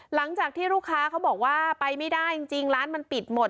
หลังจากที่ลูกค้าเขาบอกว่าไปไม่ได้จริงร้านมันปิดหมด